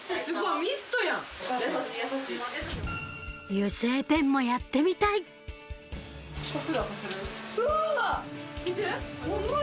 油性ペンもやってみたいうわぁ！